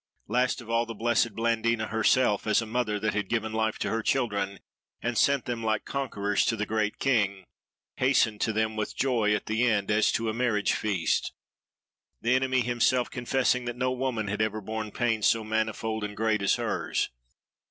Last of all, the blessed Blandina herself, as a mother that had given life to her children, and sent them like conquerors to the great King, hastened to them, with joy at the end, as to a marriage feast; the enemy himself confessing that no woman had ever borne pain so manifold and great as hers.